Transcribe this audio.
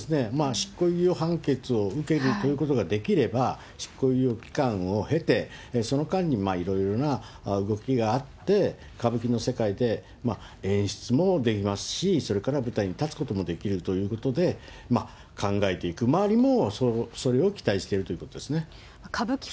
執行猶予判決を受けるということができれば、執行猶予期間を経て、その間にいろいろな動きがあって、歌舞伎の世界で演出もできますし、それから舞台に立つこともできるということを考えて、周りもそれを期待しているということですね。